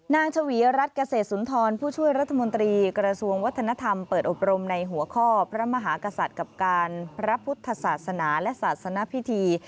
ชวีรัฐเกษตรสุนทรผู้ช่วยรัฐมนตรีกระทรวงวัฒนธรรมเปิดอบรมในหัวข้อพระมหากษัตริย์กับการพระพุทธศาสนาและศาสนพิธี